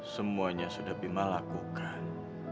semuanya sudah bima lakukan